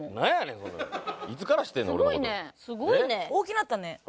すごいね。